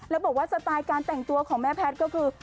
แล้วบอกว่าสไตล์การแต่งตัวของแม่แพทย์ก็คือ